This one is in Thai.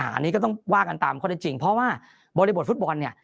อันนี้ก็ต้องว่ากันตามข้อได้จริงเพราะว่าบริบทฟุตบอลเนี่ย